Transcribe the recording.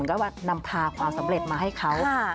จะเหมือนกันว่านำพาความสำเร็จมาให้เขา